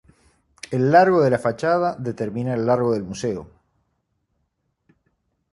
El largo de la fachada determina el largo del museo.